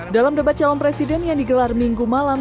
dalam debat calon presiden yang digelar minggu malam